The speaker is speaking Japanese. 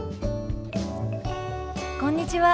こんにちは。